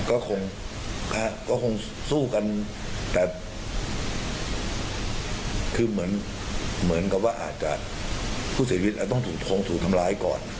ก็คงก็คงสู้กันแต่คือเหมือนกับว่าอาจจะผู้เสียชีวิตอาจจะต้องถูกคงถูกทำร้ายก่อน